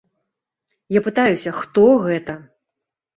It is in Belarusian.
Я пытаюся, хто гэта?